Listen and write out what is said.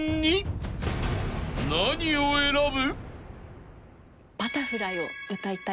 ［何を選ぶ？］